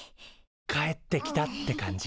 帰ってきたって感じ。